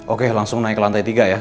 oke langsung naik ke lantai tiga ya